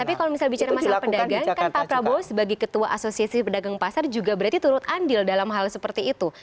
tapi kalau misalnya bicara masalah pedagang kan pak prabowo sebagai ketua asosiasi pedagang pasar juga berarti turut andil dalam hal seperti itu